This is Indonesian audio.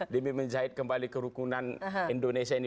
demi menjahit kembali kerukunan indonesia ini